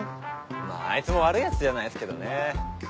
まぁあいつも悪いヤツじゃないっすけどね。